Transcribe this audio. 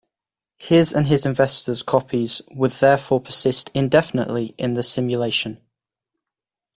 His and his investors' Copies would therefore persist indefinitely in the simulation.